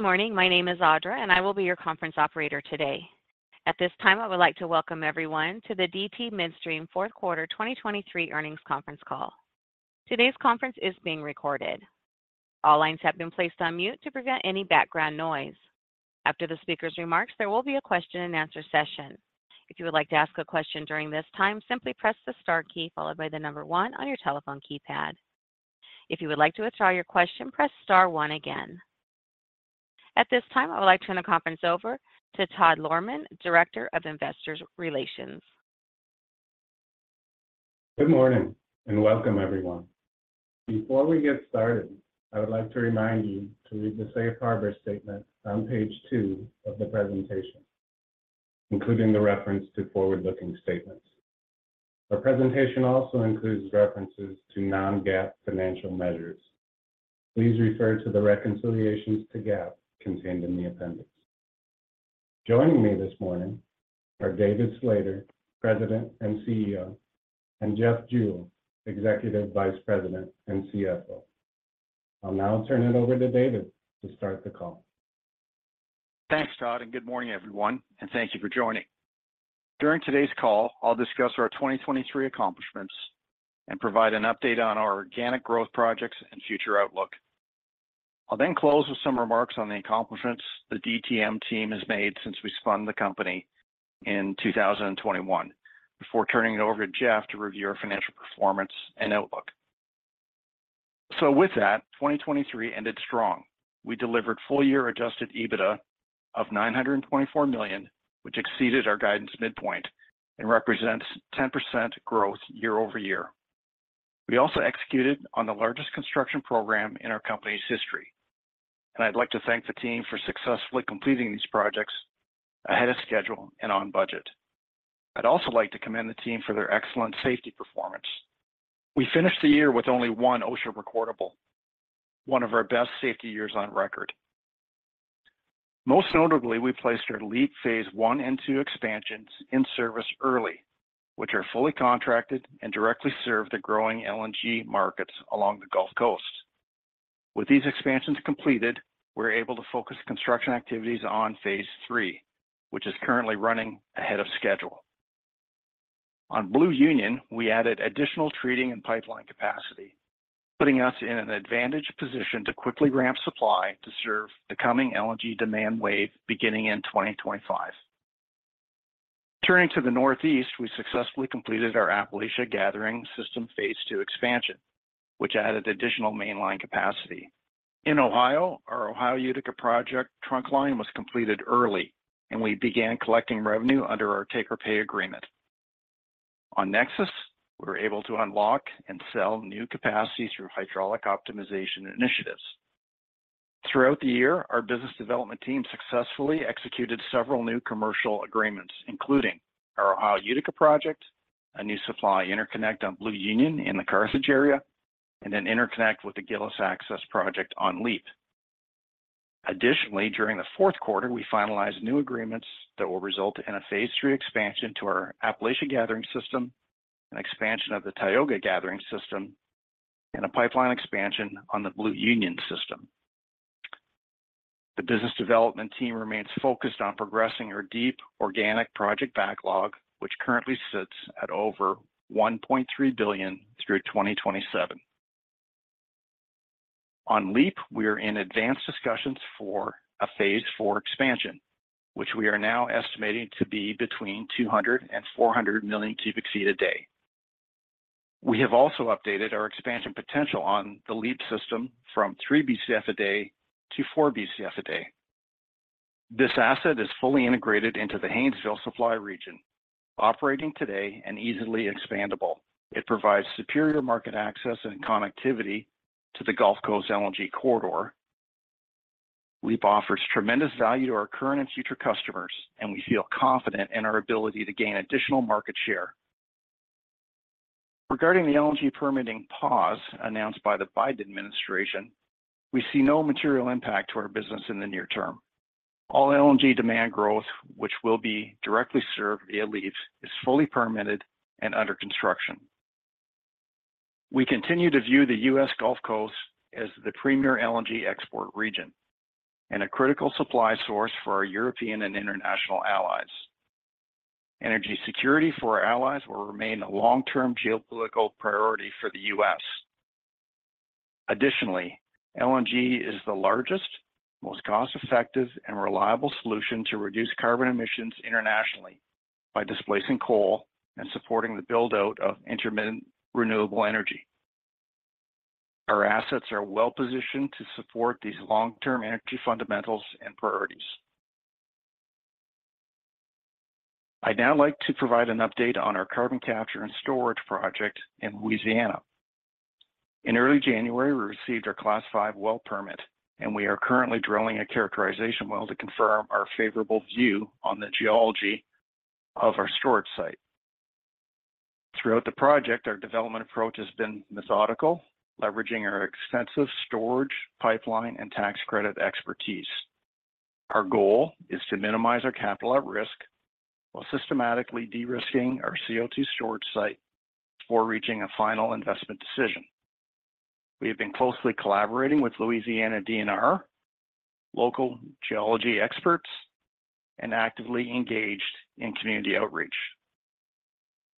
Good morning. My name is Audra, and I will be your conference operator today. At this time, I would like to welcome everyone to the DT Midstream Fourth Quarter 2023 Earnings Conference Call. Today's conference is being recorded. All lines have been placed on mute to prevent any background noise. After the speaker's remarks, there will be a question and answer session. If you would like to ask a question during this time, simply press the star key followed by the number one on your telephone keypad. If you would like to withdraw your question, press star one again. At this time, I would like to turn the conference over to Todd Lohrmann, Director of Investor Relations. Good morning, and welcome everyone. Before we get started, I would like to remind you to read the safe harbor statement on page 2 of the presentation, including the reference to forward-looking statements. Our presentation also includes references to non-GAAP financial measures. Please refer to the reconciliations to GAAP contained in the appendix. Joining me this morning are David Slater, President and CEO, and Jeff Jewell, Executive Vice President and CFO. I'll now turn it over to David to start the call. Thanks, Todd, and good morning, everyone, and thank you for joining. During today's call, I'll discuss our 2023 accomplishments and provide an update on our organic growth projects and future outlook. I'll then close with some remarks on the accomplishments the DTM team has made since we spun the company in 2021, before turning it over to Jeff to review our financial performance and outlook. So with that, 2023 ended strong. We delivered full-year Adjusted EBITDA of $924 million, which exceeded our guidance midpoint and represents 10% growth year-over-year. We also executed on the largest construction program in our company's history, and I'd like to thank the team for successfully completing these projects ahead of schedule and on budget. I'd also like to commend the team for their excellent safety performance. We finished the year with only one OSHA recordable, one of our best safety years on record. Most notably, we placed our LEAP phase I and II expansions in service early, which are fully contracted and directly serve the growing LNG markets along the Gulf Coast. With these expansions completed, we're able to focus construction activities on phase III, which is currently running ahead of schedule. On Blue Union, we added additional treating and pipeline capacity, putting us in an advantage position to quickly ramp supply to serve the coming LNG demand wave beginning in 2025. Turning to the Northeast, we successfully completed our Appalachia Gathering System phase II expansion, which added additional mainline capacity. In Ohio, our Ohio Utica project trunk line was completed early, and we began collecting revenue under our take-or-pay agreement. On NEXUS, we were able to unlock and sell new capacity through hydraulic optimization initiatives. Throughout the year, our business development team successfully executed several new commercial agreements, including our Ohio Utica project, a new supply interconnect on Blue Union in the Carthage area, and an interconnect with the Gillis Access project on LEAP. Additionally, during the fourth quarter, we finalized new agreements that will result in a phase III expansion to our Appalachia Gathering System, an expansion of the Tioga Gathering System, and a pipeline expansion on the Blue Union system. The business development team remains focused on progressing our deep organic project backlog, which currently sits at over $1.3 billion through 2027. On LEAP, we are in advanced discussions for a phase IV expansion, which we are now estimating to be between 200 and 400 million cubic feet a day. We have also updated our expansion potential on the LEAP system from 3 Bcf/d to 4 Bcf/d. This asset is fully integrated into the Haynesville supply region, operating today and easily expandable. It provides superior market access and connectivity to the Gulf Coast LNG corridor. LEAP offers tremendous value to our current and future customers, and we feel confident in our ability to gain additional market share. Regarding the LNG permitting pause announced by the Biden administration, we see no material impact to our business in the near term. All LNG demand growth, which will be directly served via LEAP, is fully permitted and under construction. We continue to view the U.S. Gulf Coast as the premier LNG export region and a critical supply source for our European and international allies. Energy security for our allies will remain a long-term geopolitical priority for the U.S. Additionally, LNG is the largest, most cost-effective, and reliable solution to reduce carbon emissions internationally by displacing coal and supporting the build-out of intermittent renewable energy. Our assets are well positioned to support these long-term energy fundamentals and priorities. I'd now like to provide an update on our carbon capture and storage project in Louisiana. In early January, we received our Class V well permit, and we are currently drilling a characterization well to confirm our favorable view on the geology of our storage site. Throughout the project, our development approach has been methodical, leveraging our extensive storage, pipeline, and tax credit expertise. Our goal is to minimize our capital at risk while systematically de-risking our CO2 storage site before reaching a final investment decision. We have been closely collaborating with Louisiana DNR, local geology experts, and actively engaged in community outreach.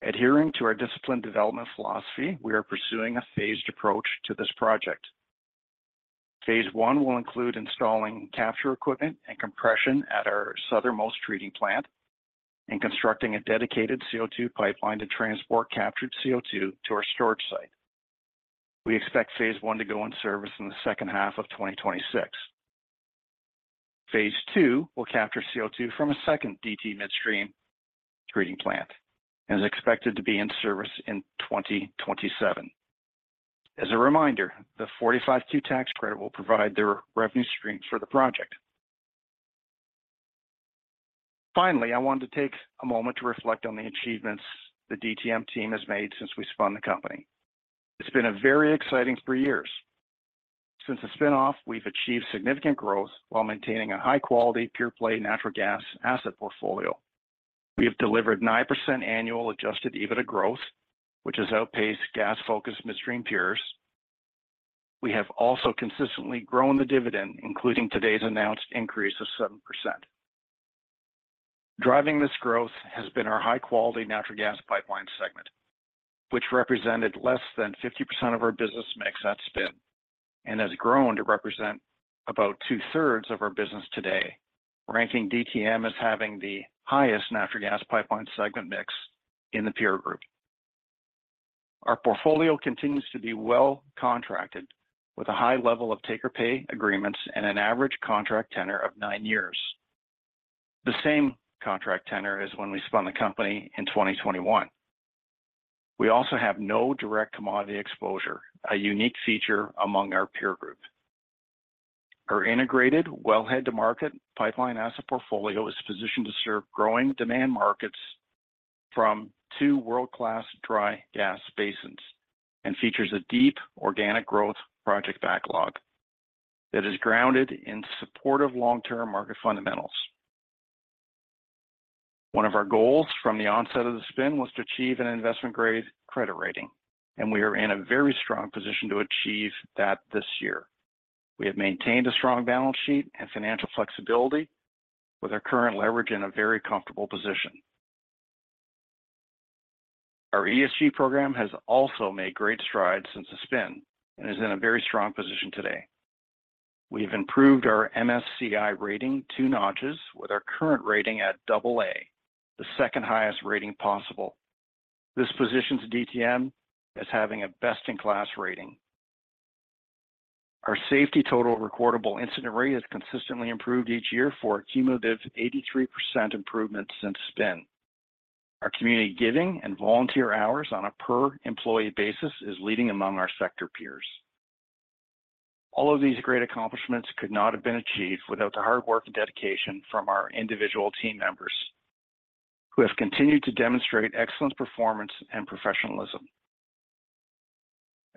Adhering to our disciplined development philosophy, we are pursuing a phased approach to this project. phase I will include installing capture equipment and compression at our southernmost treating plant and constructing a dedicated CO2 pipeline to transport captured CO2 to our storage site. We expect phase I to go in service in the second half of 2026. phase II will capture CO2 from a second DT Midstream treating plant and is expected to be in service in 2027. As a reminder, the 45Q tax credit will provide the revenue streams for the project. Finally, I wanted to take a moment to reflect on the achievements the DT Midstream team has made since we spun the company. It's been a very exciting three years. Since the spin-off, we've achieved significant growth while maintaining a high-quality, pure-play natural gas asset portfolio. We have delivered 9% annual Adjusted EBITDA growth, which has outpaced gas-focused midstream peers. We have also consistently grown the dividend, including today's announced increase of 7%. Driving this growth has been our high-quality natural gas pipeline segment, which represented less than 50% of our business mix at spin, and has grown to represent about two-thirds of our business today, ranking DTM as having the highest natural gas pipeline segment mix in the peer group. Our portfolio continues to be well contracted, with a high level of take-or-pay agreements and an average contract tenor of 9 years. The same contract tenor as when we spun the company in 2021. We also have no direct commodity exposure, a unique feature among our peer group. Our integrated wellhead-to-market pipeline asset portfolio is positioned to serve growing demand markets from two world-class dry gas basins and features a deep organic growth project backlog that is grounded in supportive long-term market fundamentals. One of our goals from the onset of the spin was to achieve an investment-grade credit rating, and we are in a very strong position to achieve that this year. We have maintained a strong balance sheet and financial flexibility with our current leverage in a very comfortable position. Our ESG program has also made great strides since the spin and is in a very strong position today. We have improved our MSCI rating two notches, with our current rating at AA, the second-highest rating possible. This positions DTM as having a best-in-class rating. Our safety total recordable incident rate has consistently improved each year for a cumulative 83% improvement since spin. Our community giving and volunteer hours on a per-employee basis is leading among our sector peers. All of these great accomplishments could not have been achieved without the hard work and dedication from our individual team members, who have continued to demonstrate excellent performance and professionalism.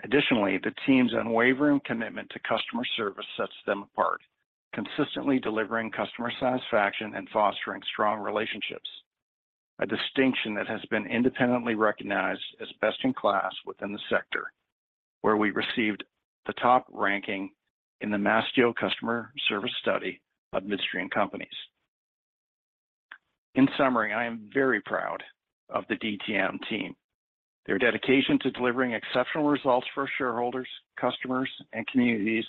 Additionally, the team's unwavering commitment to customer service sets them apart, consistently delivering customer satisfaction and fostering strong relationships, a distinction that has been independently recognized as best in class within the sector, where we received the top ranking in the Mastio Customer Service Study of midstream companies. In summary, I am very proud of the DTM team. Their dedication to delivering exceptional results for our shareholders, customers, and communities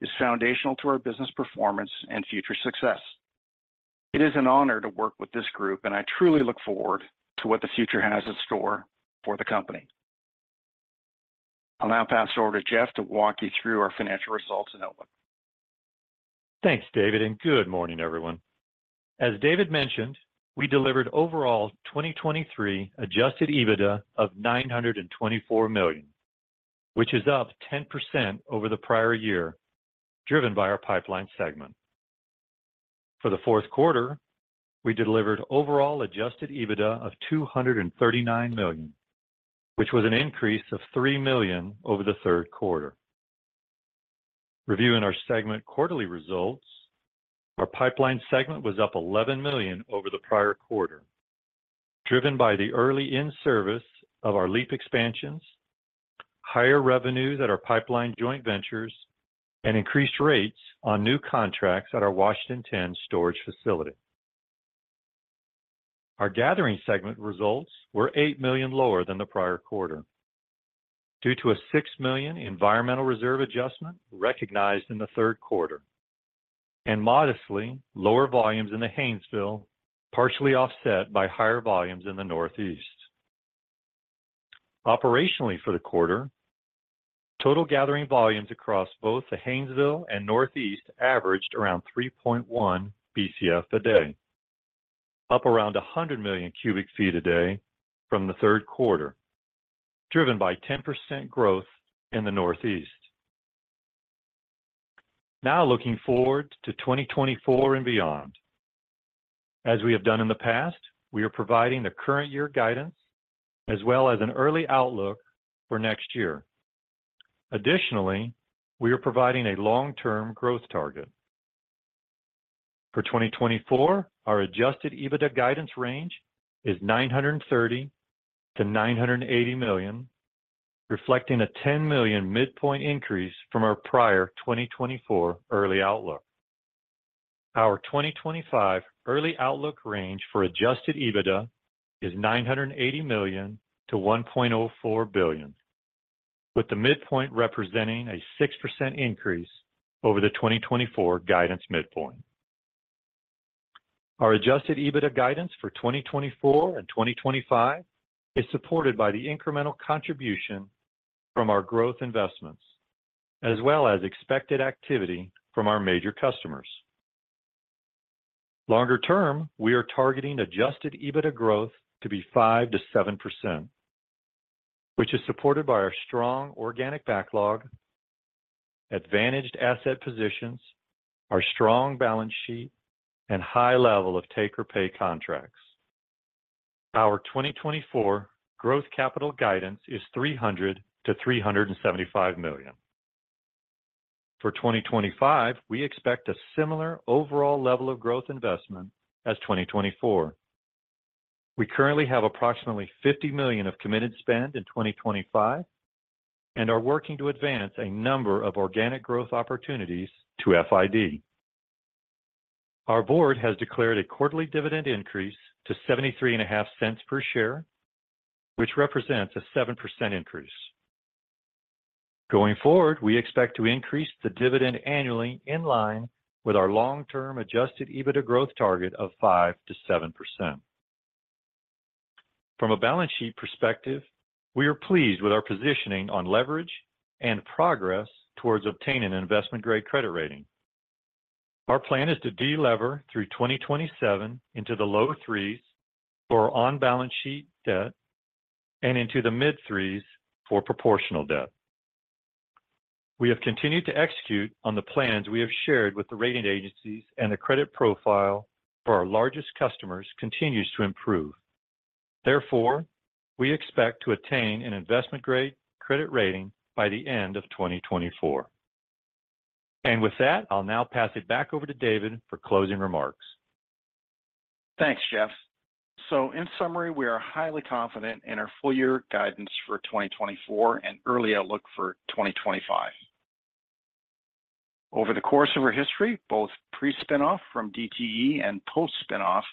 is foundational to our business performance and future success. It is an honor to work with this group, and I truly look forward to what the future has in store for the company. I'll now pass it over to Jeff to walk you through our financial results and outlook. Thanks, David, and good morning, everyone. As David mentioned, we delivered overall 2023 adjusted EBITDA of $924 million, which is up 10% over the prior year, driven by our pipeline segment. For the fourth quarter, we delivered overall adjusted EBITDA of $239 million, which was an increase of $3 million over the third quarter. Reviewing our segment quarterly results, our pipeline segment was up $11 million over the prior quarter, driven by the early in-service of our LEAP expansions, higher revenues at our pipeline joint ventures, and increased rates on new contracts at our Washington 10 storage facility. Our gathering segment results were $8 million lower than the prior quarter due to a $6 million environmental reserve adjustment recognized in the third quarter and modestly lower volumes in the Haynesville, partially offset by higher volumes in the Northeast. Operationally for the quarter, total gathering volumes across both the Haynesville and Northeast averaged around 3.1 Bcf/d, up around 100 million cubic feet a day from the third quarter, driven by 10% growth in the Northeast. Now looking forward to 2024 and beyond. As we have done in the past, we are providing the current year guidance as well as an early outlook for next year.... Additionally, we are providing a long-term growth target. For 2024, our Adjusted EBITDA guidance range is $930 million-$980 million, reflecting a $10 million midpoint increase from our prior 2024 early outlook. Our 2025 early outlook range for Adjusted EBITDA is $980 million-$1.04 billion, with the midpoint representing a 6% increase over the 2024 guidance midpoint. Our adjusted EBITDA guidance for 2024 and 2025 is supported by the incremental contribution from our growth investments, as well as expected activity from our major customers. Longer term, we are targeting adjusted EBITDA growth to be 5%-7%, which is supported by our strong organic backlog, advantaged asset positions, our strong balance sheet, and high level of take-or-pay contracts. Our 2024 growth capital guidance is $300 million-$375 million. For 2025, we expect a similar overall level of growth investment as 2024. We currently have approximately $50 million of committed spend in 2025 and are working to advance a number of organic growth opportunities to FID. Our board has declared a quarterly dividend increase to $0.735 per share, which represents a 7% increase. Going forward, we expect to increase the dividend annually in line with our long-term Adjusted EBITDA growth target of 5%-7%. From a balance sheet perspective, we are pleased with our positioning on leverage and progress towards obtaining an investment-grade credit rating. Our plan is to de-lever through 2027 into the low 3s for on-balance sheet debt and into the mid-3s for proportional debt. We have continued to execute on the plans we have shared with the rating agencies, and the credit profile for our largest customers continues to improve. Therefore, we expect to attain an investment-grade credit rating by the end of 2024. With that, I'll now pass it back over to David for closing remarks. Thanks, Jeff. In summary, we are highly confident in our full year guidance for 2024 and early outlook for 2025. Over the course of our history, both pre-spin-off from DTE and post-spin-off,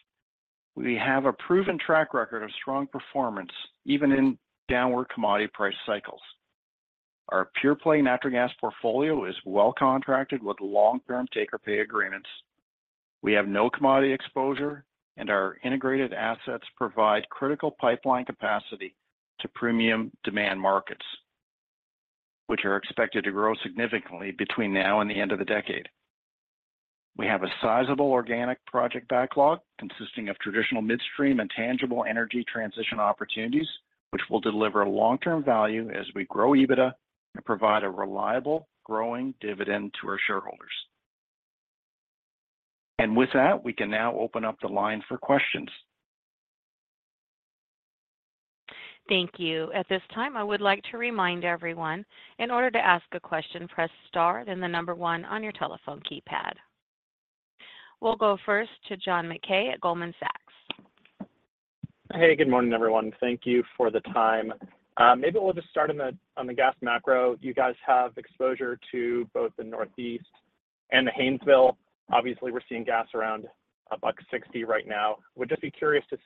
we have a proven track record of strong performance, even in downward commodity price cycles. Our pure-play natural gas portfolio is well contracted with long-term take-or-pay agreements. We have no commodity exposure, and our integrated assets provide critical pipeline capacity to premium demand markets, which are expected to grow significantly between now and the end of the decade. We have a sizable organic project backlog consisting of traditional midstream and tangible energy transition opportunities, which will deliver long-term value as we grow EBITDA and provide a reliable, growing dividend to our shareholders. With that, we can now open up the line for questions. Thank you. At this time, I would like to remind everyone, in order to ask a question, press star, then the number 1 on your telephone keypad. We'll go first to John Mackay at Goldman Sachs. Hey, good morning, everyone. Thank you for the time. Maybe we'll just start on the gas macro. You guys have exposure to both the Northeast and the Haynesville. Obviously, we're seeing gas around $1.60 right now. Would just be curious to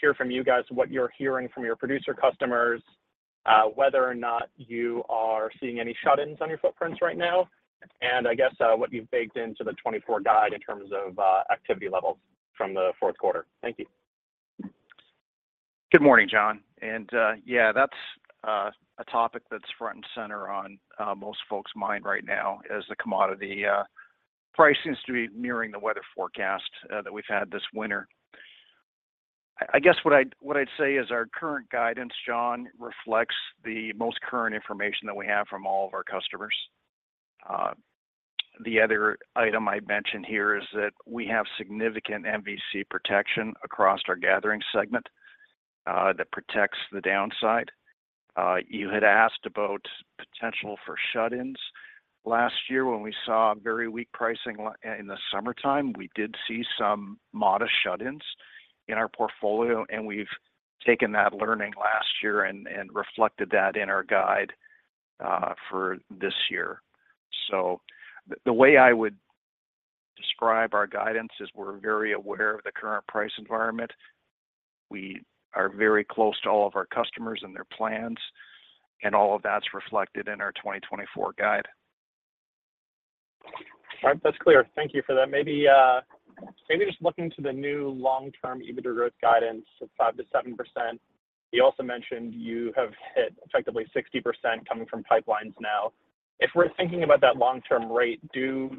hear from you guys what you're hearing from your producer customers, whether or not you are seeing any shut-ins on your footprints right now, and I guess what you've baked into the 2024 guide in terms of activity levels from the fourth quarter. Thank you. Good morning, John. And, yeah, that's a topic that's front and center on most folks' mind right now as the commodity price seems to be mirroring the weather forecast that we've had this winter. I guess what I'd say is our current guidance, John, reflects the most current information that we have from all of our customers. The other item I'd mention here is that we have significant MVC protection across our gathering segment that protects the downside. You had asked about potential for shut-ins. Last year, when we saw very weak pricing in the summertime, we did see some modest shut-ins in our portfolio, and we've taken that learning last year and reflected that in our guide for this year. So the way I would describe our guidance is we're very aware of the current price environment. We are very close to all of our customers and their plans, and all of that's reflected in our 2024 guide. All right. That's clear. Thank you for that. Maybe maybe just looking to the new long-term EBITDA growth guidance of 5%-7%. You also mentioned you have hit effectively 60% coming from pipelines now. If we're thinking about that long-term rate, do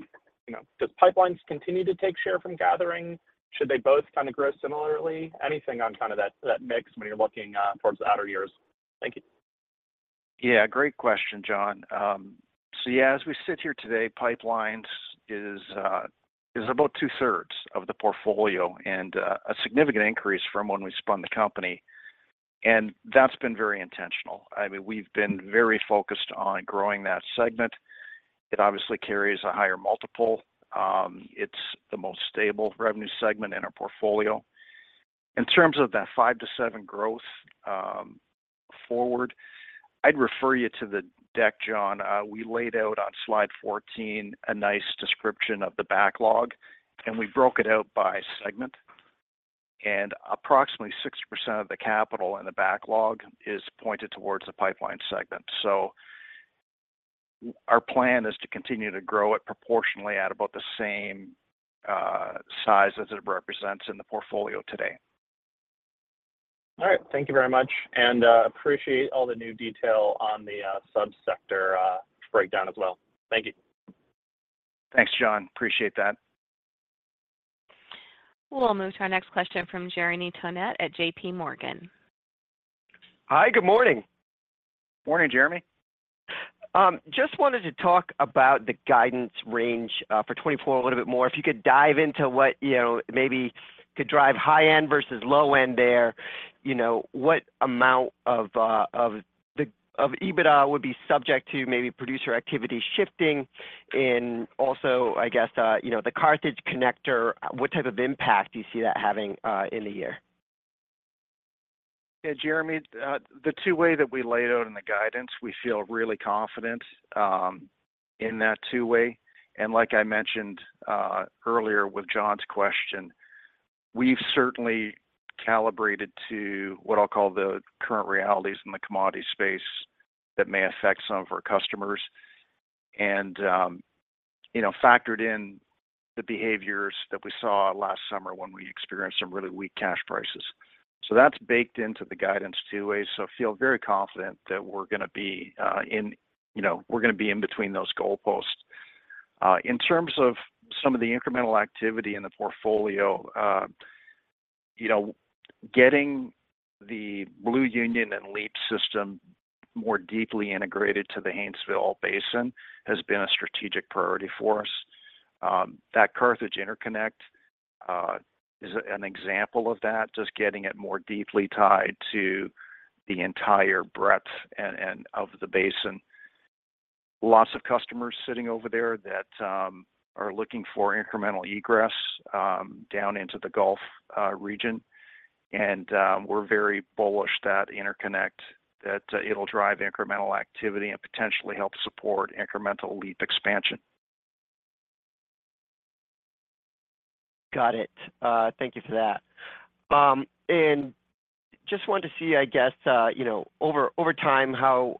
you know... Does pipelines continue to take share from gathering? Should they both kind of grow similarly? Anything on kind of that that mix when you're looking towards the outer years. Thank you. Yeah, great question, John. So yeah, as we sit here today, pipeline is about 2/3 of the portfolio and a significant increase from when we spun the company. And that's been very intentional. I mean, we've been very focused on growing that segment. It obviously carries a higher multiple. It's the most stable revenue segment in our portfolio. In terms of that 5%-7% growth forward, I'd refer you to the deck, John. We laid out on slide 14 a nice description of the backlog, and we broke it out by segment. And approximately 6% of the capital in the backlog is pointed towards the pipeline segment. So our plan is to continue to grow it proportionally at about the same size as it represents in the portfolio today. All right. Thank you very much, and appreciate all the new detail on the sub-sector breakdown as well. Thank you. Thanks, John. Appreciate that. We'll move to our next question from Jeremy Tonet at JPMorgan. Hi, good morning. Morning, Jeremy. Just wanted to talk about the guidance range for 2024 a little bit more. If you could dive into what, you know, maybe could drive high end versus low end there, you know, what amount of of EBITDA would be subject to maybe producer activity shifting? And also, I guess, you know, the Carthage Connector, what type of impact do you see that having in the year? Yeah, Jeremy, the two-way that we laid out in the guidance, we feel really confident in that two-way. And like I mentioned earlier with John's question, we've certainly calibrated to what I'll call the current realities in the commodity space that may affect some of our customers. And you know, factored in the behaviors that we saw last summer when we experienced some really weak cash prices. So that's baked into the guidance two-way, so feel very confident that we're gonna be in. You know, we're gonna be in between those goalposts. In terms of some of the incremental activity in the portfolio, you know, getting the Blue Union and LEAP system more deeply integrated to the Haynesville Basin has been a strategic priority for us. That Carthage interconnect is an example of that, just getting it more deeply tied to the entire breadth and of the basin. Lots of customers sitting over there that are looking for incremental egress down into the Gulf region. We're very bullish that interconnect that'll drive incremental activity and potentially help support incremental LEAP expansion. Got it. Thank you for that. And just wanted to see, I guess, you know, over, over time, how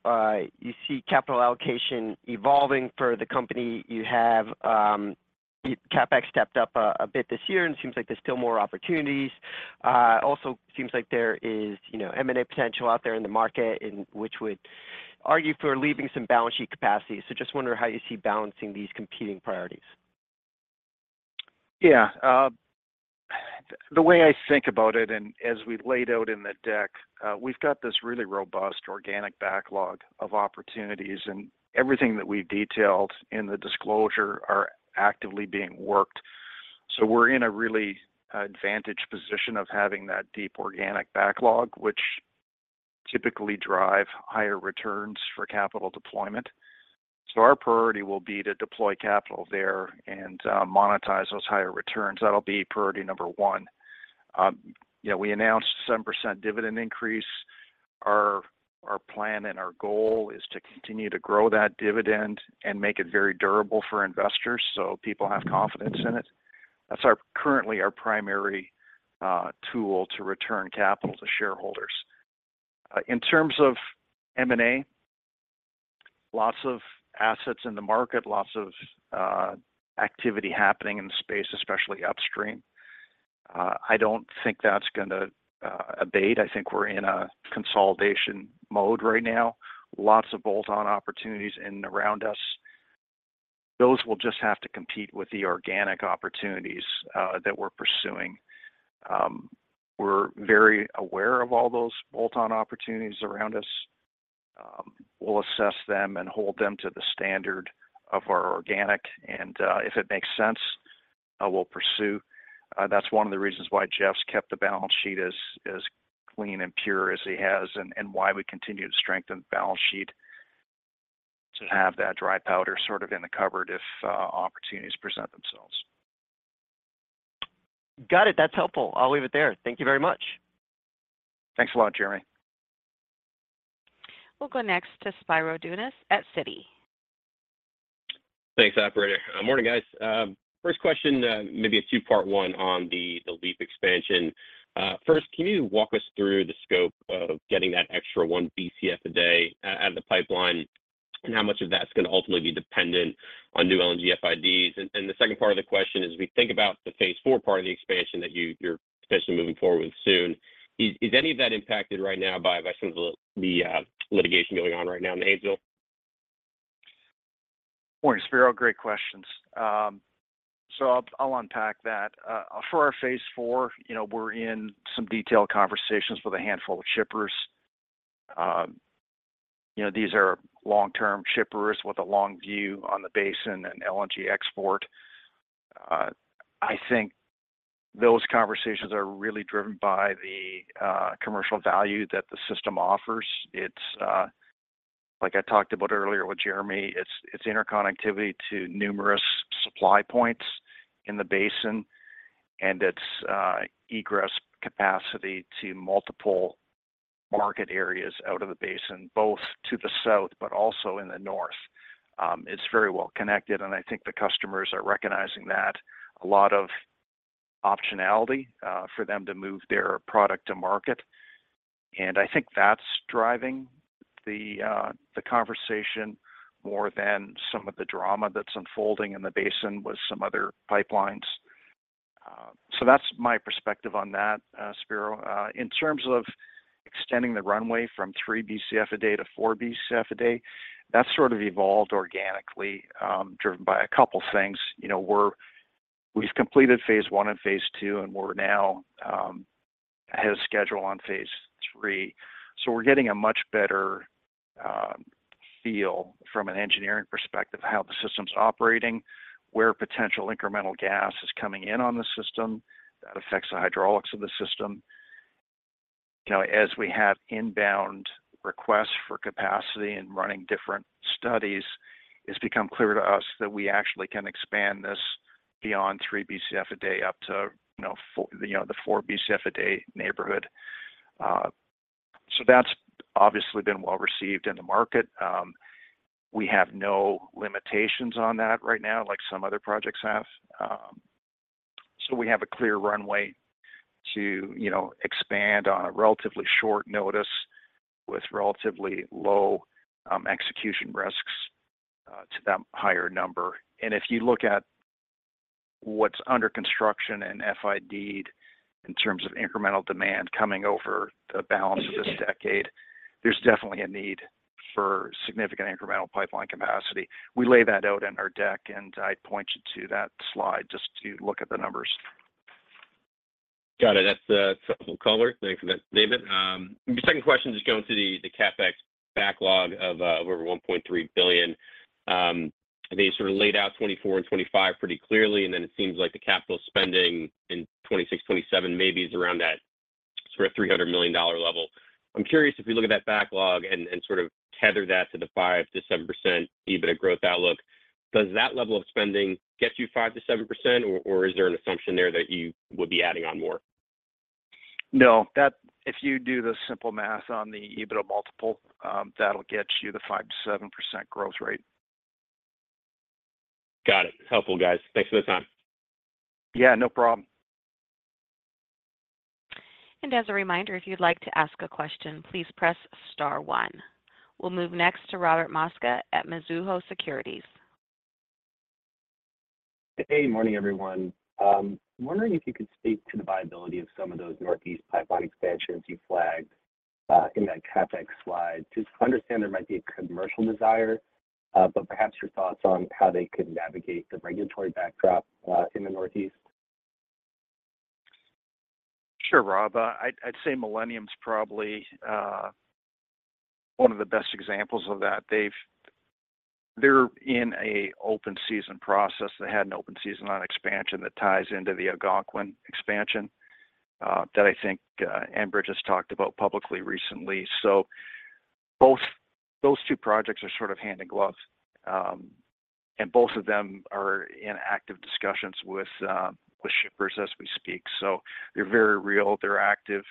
you see capital allocation evolving for the company. You have, CapEx stepped up, a bit this year, and it seems like there's still more opportunities. It also seems like there is, you know, M&A potential out there in the market, and which would argue for leaving some balance sheet capacity. So just wonder how you see balancing these competing priorities. Yeah, the way I think about it, and as we laid out in the deck, we've got this really robust organic backlog of opportunities, and everything that we've detailed in the disclosure are actively being worked. So we're in a really advantaged position of having that deep organic backlog, which typically drive higher returns for capital deployment. So our priority will be to deploy capital there and monetize those higher returns. That'll be priority number one. Yeah, we announced a 7% dividend increase. Our, our plan and our goal is to continue to grow that dividend and make it very durable for investors, so people have confidence in it. That's our currently our primary tool to return capital to shareholders. In terms of M&A, lots of assets in the market, lots of activity happening in the space, especially upstream. I don't think that's gonna abate. I think we're in a consolidation mode right now. Lots of bolt-on opportunities in around us. Those will just have to compete with the organic opportunities that we're pursuing. We're very aware of all those bolt-on opportunities around us. We'll assess them and hold them to the standard of our organic, and if it makes sense, we'll pursue. That's one of the reasons why Jeff's kept the balance sheet as clean and pure as he has, and why we continue to strengthen the balance sheet, to have that dry powder sort of in the cupboard if opportunities present themselves. Got it. That's helpful. I'll leave it there. Thank you very much. Thanks a lot, Jeremy. We'll go next to Spiro Dounis at Citi. Thanks, operator. Morning, guys. First question, maybe a two-part one on the LEAP expansion. First, can you walk us through the scope of getting that extra 1 Bcf a day out of the pipeline, and how much of that's gonna ultimately be dependent on new LNG FIDs? And the second part of the question is, we think about the phase IV part of the expansion that you're potentially moving forward with soon. Is any of that impacted right now by some of the litigation going on right now in the Haynesville? Morning, Spiro. Great questions. So I'll unpack that. For our phase IV, you know, we're in some detailed conversations with a handful of shippers. You know, these are long-term shippers with a long view on the basin and LNG export. I think those conversations are really driven by the commercial value that the system offers. It's like I talked about earlier with Jeremy, it's interconnectivity to numerous supply points in the basin, and it's egress capacity to multiple market areas out of the basin, both to the south but also in the north. It's very well connected, and I think the customers are recognizing that. A lot of optionality for them to move their product to market, and I think that's driving the conversation more than some of the drama that's unfolding in the basin with some other pipelines. So that's my perspective on that, Spiro. In terms of extending the runway from 3 Bcf a day to 4 Bcf a day, that's sort of evolved organically, driven by a couple things. You know, we've completed phase I and phase II, and we're now ahead of schedule on phase III. So we're getting a much better feel from an engineering perspective, how the system's operating, where potential incremental gas is coming in on the system. That affects the hydraulics of the system. You know, as we have inbound requests for capacity and running different studies, it's become clear to us that we actually can expand this beyond 3 Bcf a day up to, you know, four- you know, the 4 Bcf a day neighborhood. So that's obviously been well received in the market. We have no limitations on that right now, like some other projects have. So we have a clear runway to, you know, expand on a relatively short notice with relatively low execution risks to that higher number. And if you look at what's under construction and FID'd in terms of incremental demand coming over the balance of this decade, there's definitely a need for significant incremental pipeline capacity. We lay that out in our deck, and I'd point you to that slide just to look at the numbers. Got it. That's helpful, caller. Thanks for that, David. The second question, just going to the CapEx backlog of over $1.3 billion. They sort of laid out 2024 and 2025 pretty clearly, and then it seems like the capital spending in 2026, 2027 maybe is around that sort of $300 million level. I'm curious, if you look at that backlog and sort of tether that to the 5%-7% EBITDA growth outlook, does that level of spending get you 5%-7%, or is there an assumption there that you would be adding on more? No. That... If you do the simple math on the EBITDA multiple, that'll get you the 5%-7% growth rate. Got it. Helpful, guys. Thanks for the time. Yeah, no problem. As a reminder, if you'd like to ask a question, please press star one. We'll move next to Robert Mosca at Mizuho Securities. Hey, morning, everyone. Wondering if you could speak to the viability of some of those Northeast pipeline expansions you flagged in that CapEx slide? Just understand there might be a commercial desire, but perhaps your thoughts on how they could navigate the regulatory backdrop in the Northeast. Sure, Rob. I'd say Millennium's probably one of the best examples of that. They're in an open season process. They had an open season on expansion that ties into the Algonquin expansion that I think Enbridge has talked about publicly recently. So those two projects are sort of hand in glove, and both of them are in active discussions with shippers as we speak. So they're very real, they're active.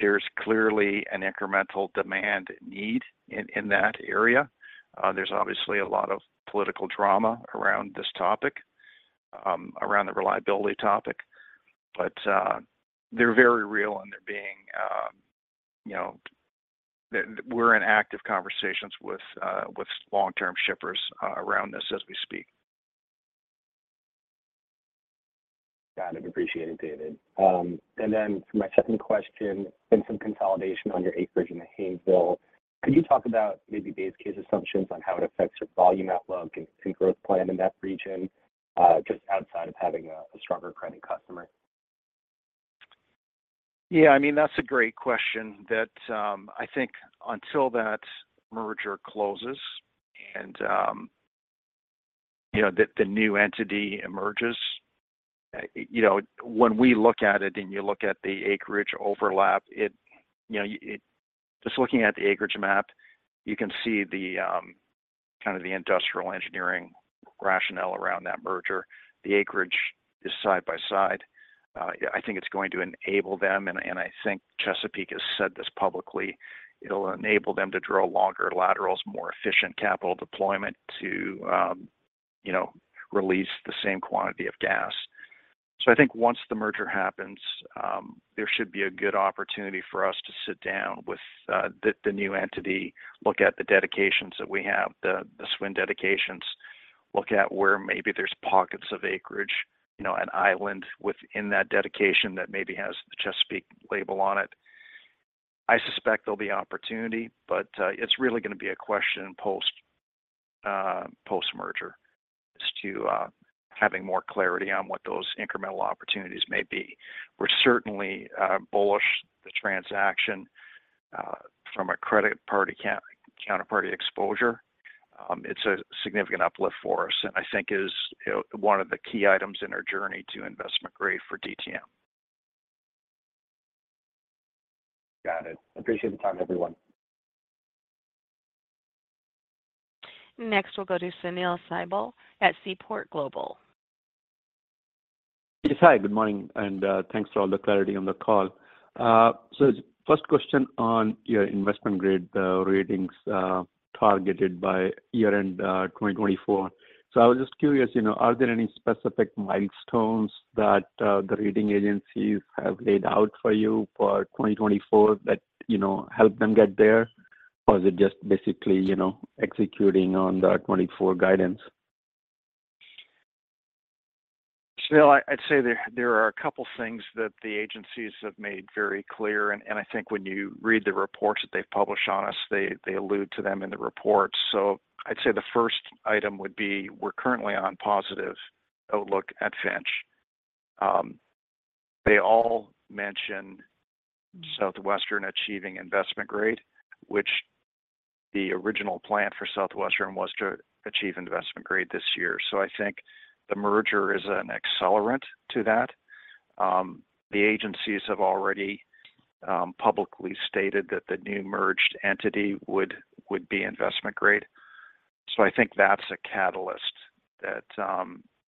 There's clearly an incremental demand need in that area. There's obviously a lot of political drama around this topic around the reliability topic, but they're very real, and they're being you know... We're in active conversations with long-term shippers around this as we speak. Got it. Appreciate it, David. And then for my second question, been some consolidation on your acreage in the Haynesville. Could you talk about maybe base case assumptions on how it affects your volume outlook and, and growth plan in that region, just outside of having a, a stronger credit customer? Yeah, I mean, that's a great question that, I think until that merger closes and, you know, the, the new entity emerges, you know, when we look at it and you look at the acreage overlap, it, you know. Just looking at the acreage map, you can see the, kind of the industrial engineering rationale around that merger. The acreage is side by side. I think it's going to enable them, and, and I think Chesapeake has said this publicly, it'll enable them to drill longer laterals, more efficient capital deployment to, you know, release the same quantity of gas. So I think once the merger happens, there should be a good opportunity for us to sit down with the new entity, look at the dedications that we have, the SWN dedications, look at where maybe there's pockets of acreage, you know, an island within that dedication that maybe has the Chesapeake label on it. I suspect there'll be opportunity, but it's really gonna be a question post, post-merger as to having more clarity on what those incremental opportunities may be. We're certainly bullish the transaction from a credit party counterparty exposure. It's a significant uplift for us, and I think is, you know, one of the key items in our journey to investment grade for DTM. Got it. Appreciate the time, everyone. Next, we'll go to Sunil Sibal at Seaport Global. Yes, hi, good morning, and thanks for all the clarity on the call. So first question on your investment-grade ratings targeted by year-end 2024. So I was just curious, you know, are there any specific milestones that the rating agencies have laid out for you for 2024 that, you know, help them get there? Or is it just basically, you know, executing on the 2024 guidance? Sunil, I'd say there are a couple things that the agencies have made very clear, and I think when you read the reports that they've published on us, they allude to them in the reports. So I'd say the first item would be, we're currently on positive outlook at Fitch. They all mention Southwestern achieving investment grade, which the original plan for Southwestern was to achieve investment grade this year. So I think the merger is an accelerant to that. The agencies have already publicly stated that the new merged entity would be investment grade. So I think that's a catalyst that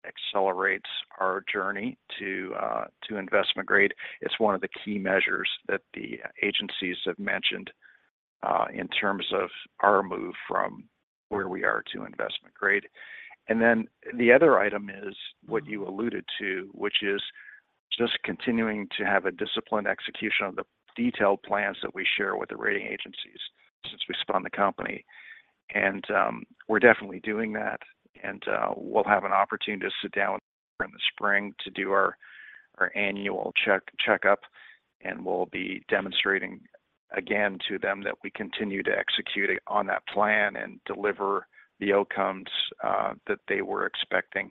accelerates our journey to investment grade. It's one of the key measures that the agencies have mentioned in terms of our move from where we are to investment grade. And then the other item is what you alluded to, which is just continuing to have a disciplined execution on the detailed plans that we share with the rating agencies since we spun the company. And, we're definitely doing that, and, we'll have an opportunity to sit down in the spring to do our annual checkup, and we'll be demonstrating again to them that we continue to execute on that plan and deliver the outcomes that they were expecting.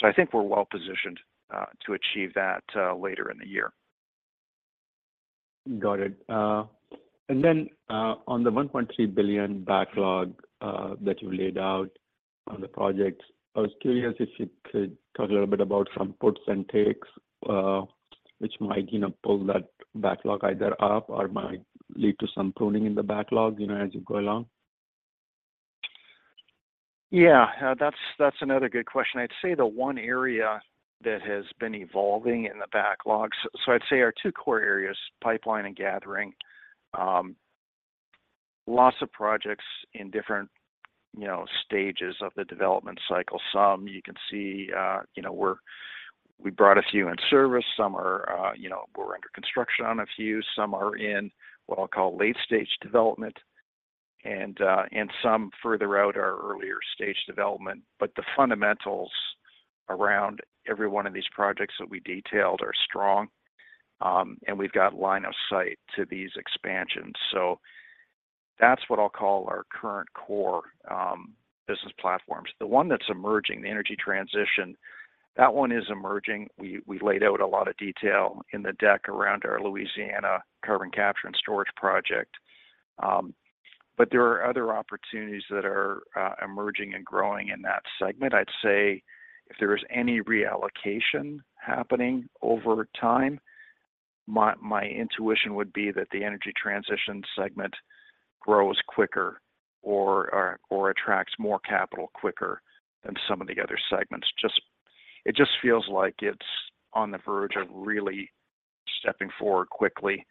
So I think we're well positioned to achieve that later in the year. Got it. And then, on the $1.3 billion backlog that you laid out on the projects, I was curious if you could talk a little bit about some puts and takes, which might, you know, pull that backlog either up or might lead to some pruning in the backlog, you know, as you go along. Yeah, that's, that's another good question. I'd say the one area that has been evolving in the backlogs. So I'd say our two core areas, Pipeline and Gathering, lots of projects in different, you know, stages of the development cycle. Some you can see, you know, we brought a few in service. Some are, you know, we're under construction on a few. Some are in what I'll call late stage development, and some further out are earlier stage development. But the fundamentals around every one of these projects that we detailed are strong, and we've got line of sight to these expansions. So that's what I'll call our current core business platforms. The one that's emerging, the energy transition, that one is emerging. We laid out a lot of detail in the deck around our Louisiana carbon capture and storage project. But there are other opportunities that are emerging and growing in that segment. I'd say if there is any reallocation happening over time, my intuition would be that the energy transition segment grows quicker or attracts more capital quicker than some of the other segments. It just feels like it's on the verge of really stepping forward quickly,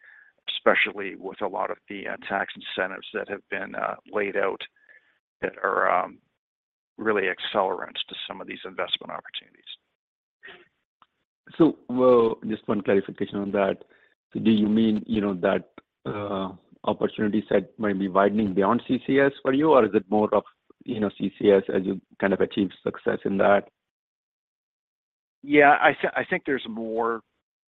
especially with a lot of the tax incentives that have been laid out that are really accelerants to some of these investment opportunities. So, well, just one clarification on that. Do you mean you know, that, opportunity set might be widening beyond CCS for you, or is it more of, you know, CCS as you kind of achieve success in that? Yeah, I think there's more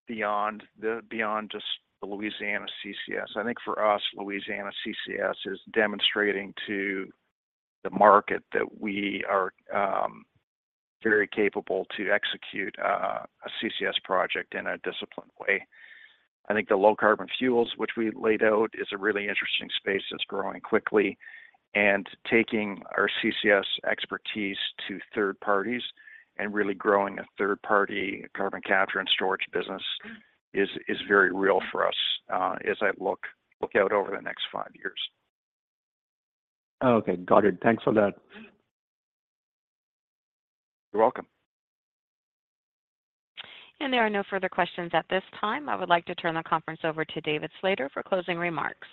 beyond beyond just the Louisiana CCS. I think for us, Louisiana CCS is demonstrating to the market that we are very capable to execute a CCS project in a disciplined way. I think the low carbon fuels, which we laid out, is a really interesting space that's growing quickly, and taking our CCS expertise to third parties and really growing a third-party carbon capture and storage business is very real for us as I look out over the next five years. Okay, got it. Thanks for that. You're welcome. There are no further questions at this time. I would like to turn the conference over to David Slater for closing remarks.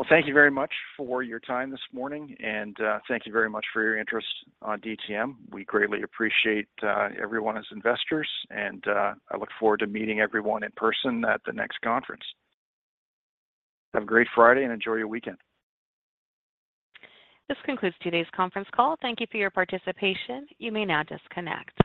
Well, thank you very much for your time this morning, and thank you very much for your interest on DTM. We greatly appreciate everyone as investors, and I look forward to meeting everyone in person at the next conference. Have a great Friday and enjoy your weekend. This concludes today's conference call. Thank you for your participation. You may now disconnect.